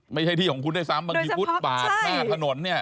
ไม่ใช่ที่ของคุณได้ซ้ำบางที่มีพุทธปากหน้าถนนเนี่ย